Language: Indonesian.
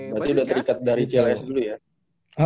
berarti sudah terikat dari cls dulu ya